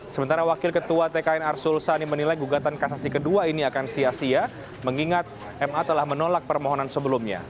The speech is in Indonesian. sementara wakil ketua tkn arsul sani menilai gugatan kasasi kedua ini akan sia sia mengingat ma telah menolak permohonan sebelumnya